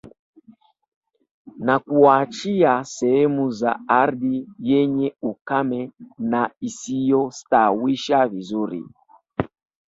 Na kuwaachia sehemu za ardhi yenye ukame na isiyostawisha vizuri